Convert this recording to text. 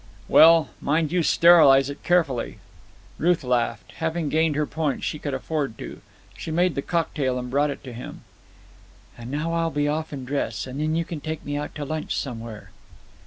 "Well, mind you sterilize it carefully." Ruth laughed. Having gained her point she could afford to. She made the cocktail and brought it to him. "And now I'll be off and dress, and then you can take me out to lunch somewhere."